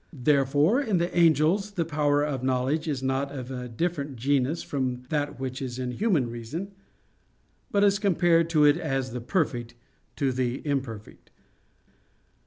Therefore in the angels the power of knowledge is not of a different genus from that which is in the human reason, but is compared to it as the perfect to the imperfect.